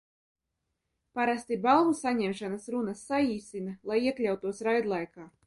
Parasti balvu saņemšanas runas saīsina, lai iekļautos raidlaikā.